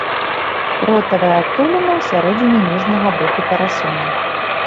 Ротавая адтуліна ў сярэдзіне ніжняга боку парасона.